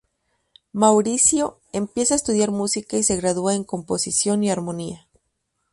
Maurizio empieza a estudiar música y se gradúa en composición y armonía.